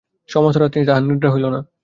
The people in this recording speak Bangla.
সমস্ত রাত্রি তাঁহার নিদ্রা হইল না।